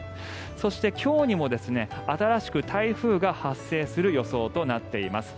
そして、今日にも新しく台風が発生する予想となっています。